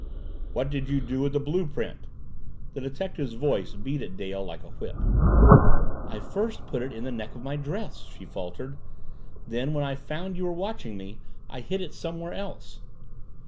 "What did you do with the blue print?" The detective's voice beat at Dale like a whip. "I put it first in the neck of my dress " she faltered. "Then, when I found you were watching me, I hid it somewhere else."